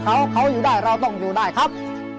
ก็เขาจะน้ำจ่ายครับ